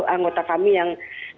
anggota kami yang